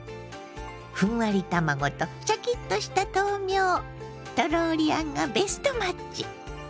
ふんわり卵とシャキッとした豆苗トローリあんがベストマッチ。